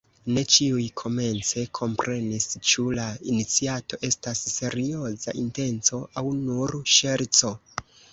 Ne ĉiuj komence komprenis, ĉu la iniciato estas serioza intenco aŭ nur ŝerco.